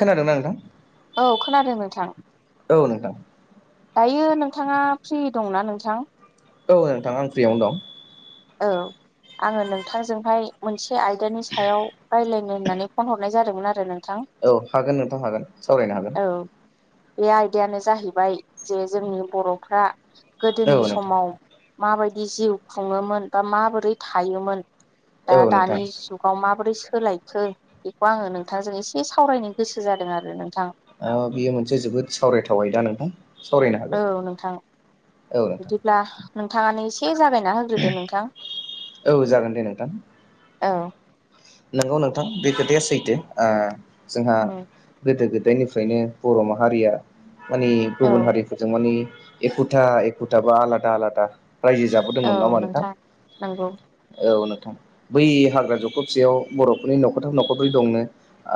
खोनादोंना नोंथां? औ खोनादों नोंथां। औ नोंथां। दायो नोंथाङा फ्रि दंना नोंथां? औ नोंथाङा आं फ्रियावनो दं। औ आङो नोंथांजोंहाय मोनसे आयदानि सायाव रायलाय नो‌ होननानै फन हरनाय जादोंमोन आरो नों औ हागोन नोंथां हागोन सावरायनो हागोन। औ बे आयदायानो जाहैबाय जे जोंनि बर'फ्रा औ गोदोनि नोंथां समाव माबायदि जिउ खुङोमोन बा माबोरै थायोमोन दा औ नोंथां दानि जुगाव मा माबोरै सोलायखो बेखौ आङो नोंथांजों एसे सावरायनो गोसो जादों आरो नोंथां। बेयो मोनसे जोबोद सावरायथाव आयदा नोंथां। सावरायनो हागोन औ नोंथां औ नोंथां बिदिब्ला नोंथाङानो एसे जागाय औ जागोन दे नोंथां। औ। नोंगौ नोंथां बे खोथाया सैथो ओ जोंहा गोदो गोद दायनिफ्रायनो बर' माहारिया माने गुबुन औ हारिफोरजों माने एखुथा एखुथाबा आलादा आलादा रायजो औ जाबोदोंमोन नाङामा होमबा नोंथां नंगौ नोंथां औ नों थां बै हाग्रा जखबसेयाव बर'फोरनि न'खरथाम न'खरब्रै दंनो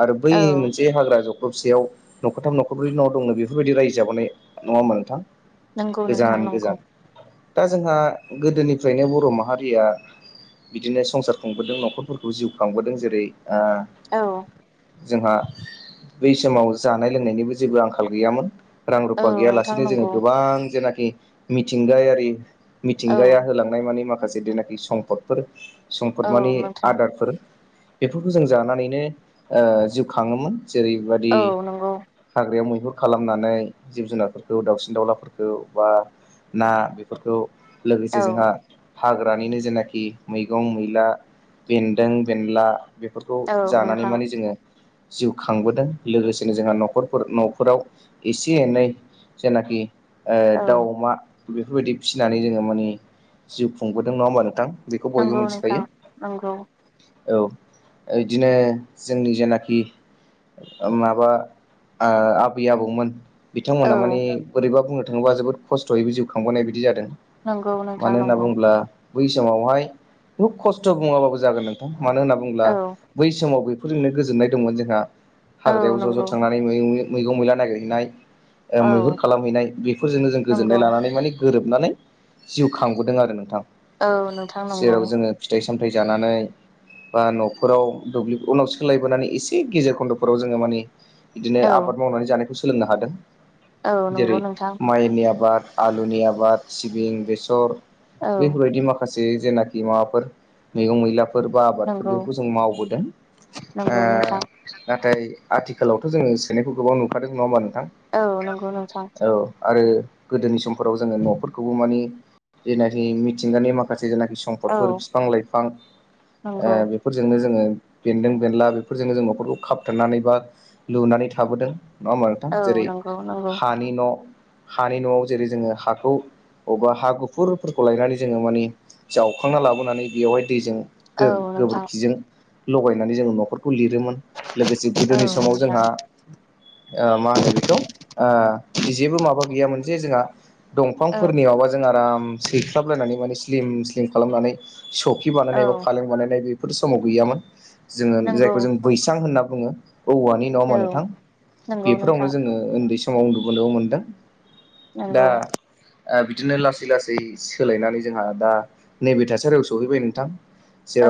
आरो बै औ मोनसे हाग्रा ज खबसेयाव न'खरथाम न'खरब्रै न' दंनो बेफोरबायदि रायजो जाबोनाय नङाहोमबा नोंथां। नंगौ गोजान नोंथां नंगौ। गोजान दा जोंहा गोदोनिफ्रायनो बर' माहारिया बिदिनो संसार खुंबोदों न'खरफोरखौ जिउ खांबोदों जेरै ओ औ जोंहा बै समाव जानाय लोंनायनिबो जेबो आंखाल गैयामोन। रां औ रुफा नोंथां गैयालासेनो जोङो नंगौ गोबां जेनाखि मिथिंगायारि औ मिथिंगाया होलांनाय मानि माखासे जेनाखि सम्पदफोर औ नोंथां। फोर बेफोरखौ जों जानानैनो ओ जिउ खाङोमोन। जेरैबादि औ नंगौ हाग्रायाव मै हुरा खालामनानै जिब जुनारफोरखौ दाउसिन दाउलाफोरखौ बा ना बेफोरखौ औ लोगोसे जोंहा हाग्रानिनो जेनाखि मैगं मैला बेन्दों बेनला बेफोरखौ औ जानानै नोंथां माने जोङो जिउ खांबोदों लोगोसेनो जोंहा न'खरफोर न'फोराव एसे एनै जेनाखि औ दाउ अमा बेफोरबायदि फिसिनानै जोङो माने जिउ खुंबोदों नङा होमबा नोंथां। बेखौ बयबो नंगौ नोंथां मिथिखायो। नंगौ औ ओ इदिनो जोंनि जेनाखि माबा ओ आबै आबौमोन औ बिथांमोनहा मानि बोरैबा बुंनो थाङोबा जोबोद खस्थ'यैबो जिउ खांबोनाय बायदि जादों। नंगौ नोंथां मानो होनना नंगौ। बुङोब्ला बै समावहाय खुुब खस्थ' बुङाबाबो जागोन नोंथां मानो होनना बुंङोब्ला औ बै समाव बे फोरजोंनो गोजोननाय दंमोन जोंहा। औ हाग्रायाव ज' नंगौ ज' थांनानै मैं मैगं-मैला नागिरहैनाय ओ मैहुर औ खालामहैनाय बेफोरजोंनो जों नंगौ गोजोननाय लानानै माने गोरोबनानै जिउ खांबोदों आरो नोंथां। औ नोंथां नंगौ। जेराव जोङो फिथाइ- सामथाइ जानानै बा न'फोराव दुब्लि उनाव सोलायबोनानै एसे गेजेर खन्द'फोराव जोङो माने बिदिनो औ आबाद मावनानै जानायखौ सोलोंनो हादों। औ नंगौ जेरै नोंथां माइनि आबाद आलुनि आबाद, सिबिं, बेसर औ बैफोरबायदि माखासे जेनाखि माबाफोर मैगं-मैलाफोर बा आबादफोर नंगौ बेफोरखौ जों मावबोदों। ओ जों नंगौ दा नोंथां नाथाय आथिखालावथ' जोङो सोलायनायफोरखौबो नुखादों नङा होमब्ला नों औ नंगौ नोंथां। आरो गोदोनि समफोराव जोङो न'फोरखौबो मानि जेनाखि मिथिंगानि माखासे जायनाखि औ सम्पफोर बिफां-लाइफां ओ नंगौ बेफोरजोनो जोङो बेदों-बेनला बेफोरजोंनो जों न'खरखौ खाबथनानै बा लुनानै थाबोदों। नङा होमबा नोंथां। औ जेरै नंगौ नंगौ हानि न' हानि न'आव जेरै जोङो हाखौ अबेबा हा गुफुरफोरखौ लायनानै जोङो मानि जावखांना लाबोनानै बेवहाय दैजों औ नोंथां गो-गोबोरखिजों लगायनानै जोङो न'फोर खौ लिरोमोन लोगोसे औ गोदोनि समाव नोंथां जोंहा ओ मा होनो बेखौ ओ बिदि जेबो माबा गैयामोन जे जोंहा औ दंफांफोरनि माबा जों आराम सैख्लाबलायनानै माने स्लिम स्लिम खालामनानै सौखि बानायनाय एबा औ फालें बानायनाय बेफोर समाव गैयामोन। जोङो नंगौ जायखौ जों बैसां होनना बुङो औवानि नङा औ होमब्ला नोंथां। नंगौ बेफोरावनो नोंथां जोङो उन्दै समाव उन्दुबोनोबो मोनदों। नंगौ दा ओ बिदिनो लासै लासै सोलायनानै जोंहा दा नैबे थासारियाव सहैबाय नोंथां।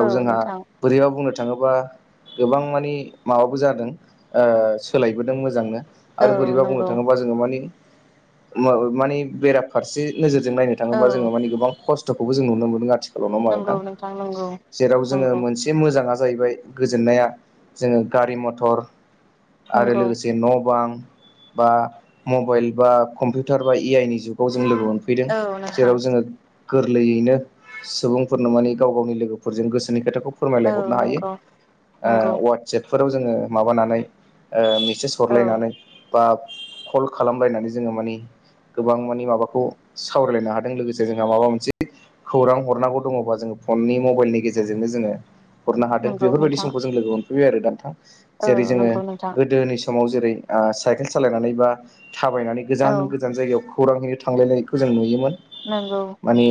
औ जोंहा नोंथां बोरैबा बुंनो थाङोबा गोबां मानि माबाबो जादों ओ सोलायबोदों मोजांनो‌। औ आरो बोरैबा बुंनो नंगौ थाङोबा जोङो मानि होमबाबो मानि बेराफारसे नोजोर जों नो थाङोबा औ जो माने गोबां खस्थखौबो जों नुनो मोनो आथिखालाव। नङा होमबा नंगौ नोंथां नंगौ जेराव जोङो नंगौ मोनसे मोजां जाहैबाय गोजोननाया जोङो गारि मथर आरो नंगौ लोगोसे न' बां बा मबाइल बा कम्पिउटार बा ए आइ नि जुगाव जों लोगो मोनफैदों। औ नोंथां जेराव जोङो गोरलैयैनो सुबुं फोरनो माने गाव गावनि लोगोफोरजों गोसोनि खोथाखौ औ फोरमायलायहरनो हायो। नंगौ नंगौ ओ वाट्सएप फोराव जोङो माबानानै ओ मेसेज औ हरलायनानै बा कल खालामबायनानै जोङो मानि गोबां मानि माबाखौ सावरायलायनो हादों लोगोसे जोंहा माबा मोनसे खौरां हरनांगौ दङबा जोङो फननि मबाइलनि गेजेरजोंनो जोङो हरनो हादों नंगौ बेफोरबायदि नोंथां समखौ जों लोगो मोनफैबाय आरो दा नोंथां। औ जेरै जोङो नंगौ नोंथां गोदोनि समाव जेरै ओ साइकेल सालायनानै बा थाबायनानै औ गोजान गोजान जायगायाव खौरांहैनो थांलायनायखौ जों नुयोमोन नंगौ। माने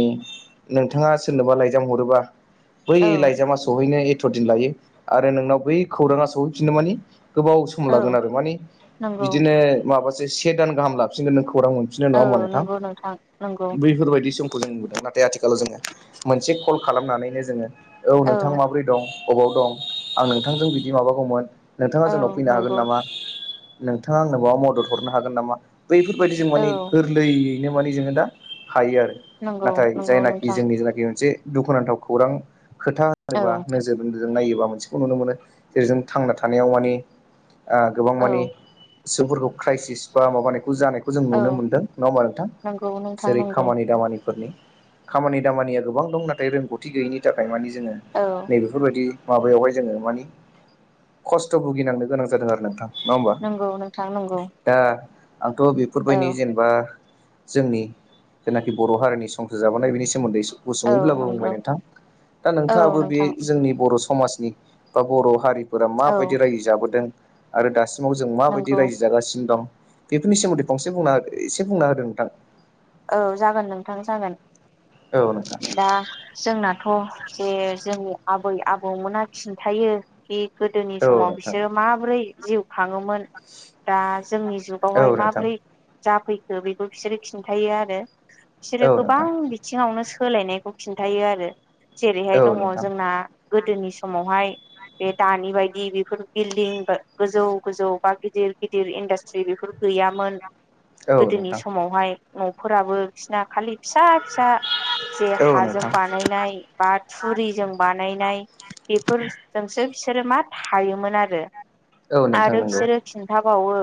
नोंथाङा सोरनोबा लाइजाम हरोबा बै औ लाइजामा सहैनो जथ' दिन लायो आरो नोंनाव बै खौराङा सहैफिनो मानि गोबाव सम लागोन औ आरो मानि नंगौ बिदिनो माबासो से दान गाहाम लाफिनगोन नोंखौ खौरां मोनफिननो नङा औ होनोमबा नोंथां नंगौ नंगौ बैफोरबायदि सम खौ जों नुदों नाथाय आथिखालाव जोङो मोनसे कल खालामनानैनो जोङो औ नोंथां माब्रै दं? अबाव दं आं नोंथांजों बिदि माबागौमोन नोंथाङा औ जोंनाव फैनो हागोन नंगौ नामा? नोंथाङा आंनो माबा मदद हरनो हागोन नामा बैफोरबायदि जों औ माने गोरलैयैनो माने जोङो दा हायो आरो नंगौ नाथाय नंगौ जायनाखि नोंथां जोंनि जेनाखि मोनसे दुखुनांथाव खौरां खोथा औ होनोबा नोजोर जों नायोबा मोनसेखौ नुनो मोनो जेरै जों थांना थानायाव माने ओ गोबां माने औ सुबुंफोरखौ क्राइसिस बा माबानाय जानायखौ जों औ नुनो मोन्दों नङा होमबा नोंथां नंगौ नोंथां जेरै नंगौ खामानि दामानिफोरनि खामानि दामानिया गोबां दं नाथाय रोंगौथि गैयैनि थाखाय माने जोङो औ नैबेफोरबायदि माबायावहाय जोङो मानि खस्थ' भुगिनांनो गोनां जादों आरो नोंथां। नङा होमबा नोंगौ नोंथां नंगौ। दा आंथ' औ बेफोरबायदि जेनेबा जोंनि जेनाखि बर' हारिनि संसार जाबोनाय बेनि सोमोन्दै औ गुसुङैब्लाबो बुंबाय नंगौ नोंथां दा औ नोंथाङाबो बे नोंथां जोंनि बर' समाजनि बा बर' हारि फोरा औ माबायदि रायजो जाबोदों आरो दासिमाव जों माबायदि नंगौ रायजो जागासिनो दं। बेफोरनि सोमोन्दै फंसे बुंना हो एसे बुंना होदों नोंथां। औ जागोन नोंथां जागोन औ नोंथां दा जोंनाथ' जे जोंनि आबै आबौमोना खिन्थायो बे गोदोनि औ समाव नोंथां बिसोरो माबोरै जिउ थाङोमोन दा जोंनि जुगावहाय औ नोंथां माबोरै जाफैखो बेबो बिसोरो खिन थायो आरो औ बिसोरो नोंथां गोबां बिथिङावनो सोलायनायखौ खिन्थायो आरो जेरैहाय औ दङ नोंथां जोंना गोदोनि समावहाय बे दानि बायदि बेफोर बिल्डिं गोजौ गोजौ बा गिदिर गिदिर इन्डास्ट्रि बेफोर गैयामोन औ गोदोनि नोंथां समावहाय न'फोराबो बिसना खालि फिसा फिसा जे औ हाजों नोंथां बानायनाय बा थुरिजों बानायनाय बेफोरजोंसो बिसोरो मा थायोमोन आरो औ नोंथां आरो बिसोरो खिन्थाबावो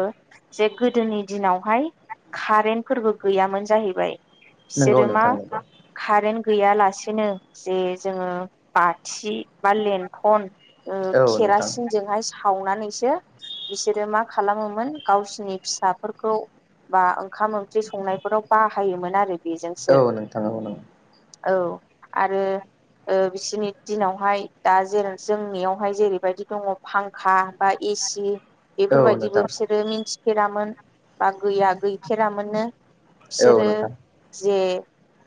जे गोदोनि दिनावहाय कारेन्टफोरबो गैयामोन जाहैबाय। नंगौ नंगौ बिसोरो मा नोंथां नंगौ कारेन्ट गैयालासेनो जे जोङो बाथि बा लेन्थन ओ औ नोंथां केरासिनजोंहाय सावनानैसो बिसोरो मा खालामोमोन गावसिनि फिसाफोरखौ बा ओंखाम ओंख्रि स संनायफोराव बाहायोमोन आरो। औ बेजोंसो नोंथां औ नों औ आरो ओ बिसोरनि दिनावहाय दा जै जोंनियावहाय जेरैबायदि दङ फांखा बा एसि औ बेफोरबायदिबो नोंथां बिसोरो मिथिफेरामोन बा गैया गैफेरामोननो। औ बिसोरो नोंथां जे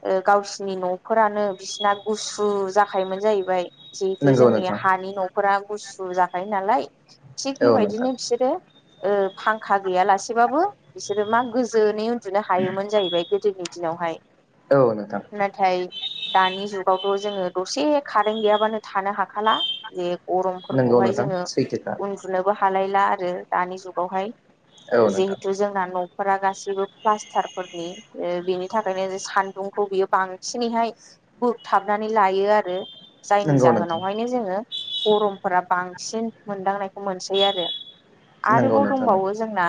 ओ गावसिनि न'फोरानो बिसिना गुसु जाखायोमोन जाहैबाय। जिहेथु नंगौ जोंनि नोंथां हानि न'फोरा गुसु जाखायो नालाय थिग औ नोंथां बेबायदिनो बिसोरो ओ फांखा गैयालासेबाबो बिसोरो मा गोजोनै उ न्दुनो हायोमोन जाहैबाय गोदोनि दिनावहाय औ नोंथां नाथाय दानि जुगाव जोङो दसे कारेन्ट गैयाबानो थानो हाखाला जे नंगौ गरमफोरखौहाय नोंथां जोङो सैथोखा उन्दुनोबो हा थालायला आरो दानि जुगावहाय औ नोंथां जिहेथु जोंना न'फोरा गासैबो प्लास्टारफोरनि बेनि थाखायनो सानदुंखौ बियो बांसिनैहाय बोगथाबनानै लायो आरो जायनि नंगौ नोंथां जाहोनावहायनो जोङो। गरमफोरा बांसिन मोनदांनायखौ मोनसै आरो। नंगौ आरोबाव नोंथां दंबावो जोंना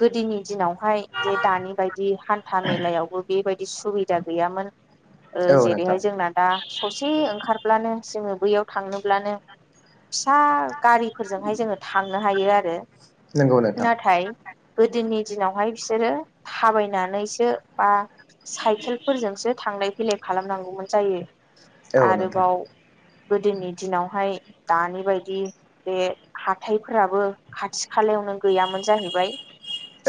गोदोनि दिनावहाय जे दानि बायदि हान्था-मेलायावबो बेबायदि सुबिदा गैयामोन औ नोंथां जेरैहाय जोंना दा ससे ओंखार ब्लानो जोङो बैयाव थांनोब्लानो फिसा गारिफोरजोंहाय जोङो थांनो हायो आरो नंगौ नोंथां नाथाय गोदोनि दिनावहाय बिसोरो थाबायनानैसो बा साइकेलफोरजोंसो थांनाय फैलाय खालामनांगौमोन जायो औ नोंथां आरोबाव गोदोनि दिनावहाय दानि बायदि बे हाथायफोराबो खाथि-खालायाव नो गैयामोन जाहैबाय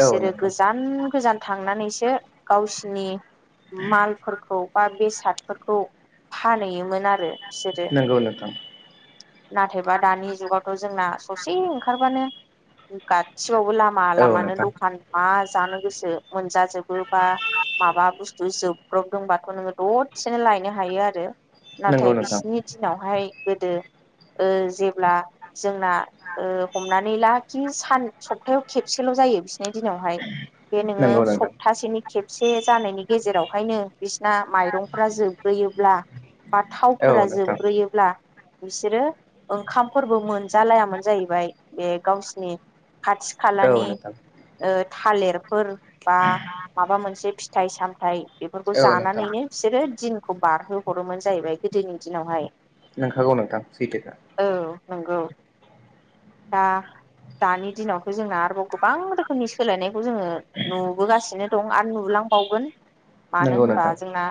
औ नों गोजान गोजान थांनानैसो गावसिनि मालफोरखौ बा बेसादफोरखौ फानहैयोमोन आरो बिसोरो नोंगौ नोंथां नाथायबा दानि जुगावथ' जोंना ससे ओंखारबानो गासिबावबो लामा औ लामानो नोंथां दखान मा जानो गोसो मोनजाजोबो बा माबा बुस्थु जोबब्रबदोंबाथ' नोङो दसेनो लायनो हायो आरो नंगौ नाथाय नोंथां बिसिनि दिनावहाय गोदो जेब्ला जोंना हमनानै ला खि सान सपथायाव खेबसेल' जायो बिसिनि दिनावहाय बे नोङो नंगौ नोंथां सप्तासेनि खेबसे जानायनि गेजेरावहायनो बिसिना माइरंफोरा जोबग्रोयोब्ला बा औ थावफोरा नोंथां जोबग्रोयोब्ला बिसोरो ओंखामफोरबो मोनजालायामोन जाहैबाय बे गावसिनि औ खाथि-खालानि नोंथां थालिरफोर बा माबा मोनसे फिथाइ-सामथाय बेफोरखौ औ नोंथां जानानैनो बिसोरो दिन खौ बारहो हरोमोन जाहैबाय गोदोनि दिनावहाय नोंखागौ नोंथां सैथोखा नोंगौ दा दानि दिनावथ' जोंना आरोबाव गोबां रोखोमनि सोलायनाय जोङो नुबोगासिनो दं आरो नुलांबावगोन मानो नंगौ होनबा नोंथां जोंना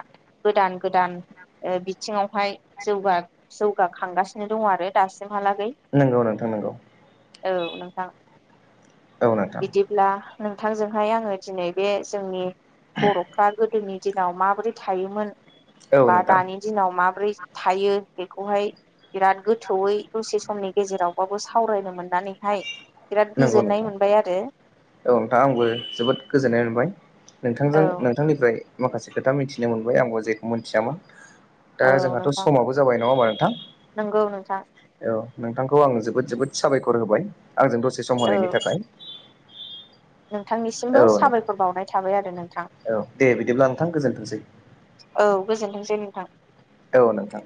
गोदान गोदान बिथिङावहाय जौगाखांगासिनो दङ आरो दासिम नंगौ नोंथां नोंगौ औ नोंथां औ नोंथां बिदिब्ला नोंथांजोंहाय आङो दिनै बे जोंनि बर'फ्रा गोदोनि दिनाव माबोरै थायोमोन औ बा नोंथां दानि दिनाव माबोरै थायो बेखौहाय बिराद गोथौयै दसे समनि गेजेरावबाबो स सावरायनो मोननानैहाय नंगौ गोजोननाय नोंथां, मोनबाय आरो औ नोंथां आंबो जोबोद गोजोननाय मोनबाय औ नोंथांजों नोंथांनिफ्राय माखासे खोथा मिथिनो मोनबाय आंबो जेखौ मिथियामोन दा औ जोंहाथ' नोंथां समाबो जाबाय नङा, होमबा नोंथां नंगौ नोंथां औ? नोंथांखौ आङो जोबोद जोबोद साबायखर होबाय, आंजों दसे सम औ होनायनि थाखाय औ नोंथांनिसिमबो नोंथां साबायखर बावनाय थाबाय आरो नों औ दे बिदिब्ला नोंथां गोजोनथोंसै औ गोजोनथोंसै नोंथां औ नोंथां